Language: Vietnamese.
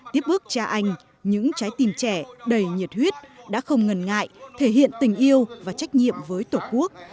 tiếp bước cha anh những trái tim trẻ đầy nhiệt huyết đã không ngần ngại thể hiện tình yêu và trách nhiệm với tổ quốc